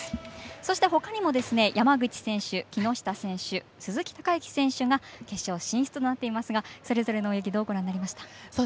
そしてほかにも山口選手、木下選手鈴木孝幸選手が決勝進出となっていますがそれぞれの泳ぎどうご覧になりましたか。